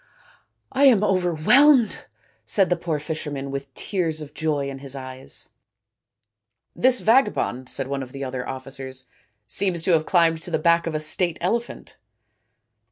" I am overwhelmed," said the poor fisherman, with tears of joy in his eyes. " This vagabond," said one of the other officers, " seems to have climbed to the back of a state elephant."